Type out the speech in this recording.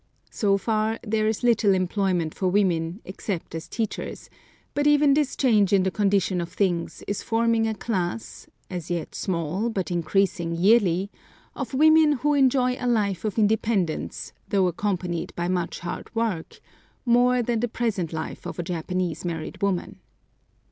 So far, there is little employment for women, except as teachers; but even this change in the condition of things is forming a class, as yet small, but increasing yearly, of women who enjoy a life of independence, though accompanied by much hard work, more than the present life of a Japanese married woman.